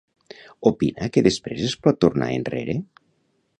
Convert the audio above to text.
Opina que després es pot tornar enrere?